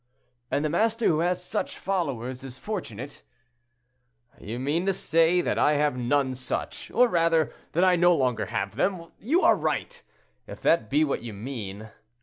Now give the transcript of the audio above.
"And the master who has such followers is fortunate." "You mean to say that I have none such; or, rather, that I no longer have them. You are right, if that be what you mean."